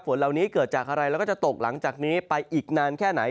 ฝนเหล่านี้เกิดจากอะไรแล้วก็จะตกหลังจากนี้ไปอีกนานแค่ไหน